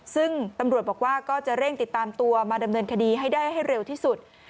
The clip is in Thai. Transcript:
ซึ่งตำรวจบอกว่าก็จะเร่งติดตามตัวมาดำเนินคดีให้ได้ให้เร็วที่สุด